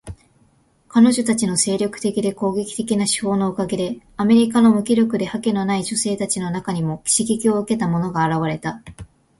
彼女たちの精力的で攻撃的な手法のおかげで、アメリカの無気力で覇気のない女性たちの中にも刺激を受けた者が現れた。